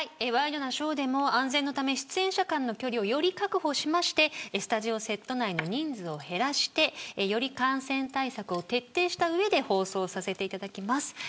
ワイドナショーでも安全のため、出演者間の距離をより確保しましてスタジオセット内の人数を減らしてより感染対策を徹底した上で放送させていただきます。